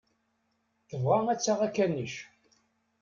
Tebɣa ad d-taɣ akanic.